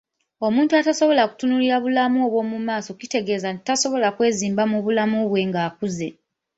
Omuntu atasobola kutunuulira bulamu obw'omu maaso kitegeeza nti tasobola kwezimba mu bulamu bwe ng'akuze.